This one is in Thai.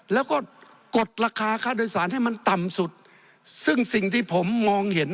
แล้วก็กดราคาค่าโดยสารให้มันต่ำสุดซึ่งสิ่งที่ผมมองเห็น